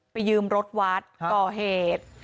ยืมรถวัดก่อเหตุ